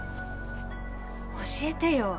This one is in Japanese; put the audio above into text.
教えてよ。